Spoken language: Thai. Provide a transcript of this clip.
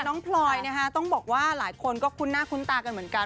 น้องพลอยเนี่ยต้องบอกว่าหลายคนก็คุณหน้าคุณตากันเหมือนกัน